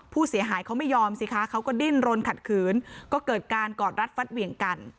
ผู้เสียหายเขาไม่ยอมสิคะเขาก็ดิ้นรนขัดขืนก็เกิดการกอดรัดฟัดเหวี่ยงกัน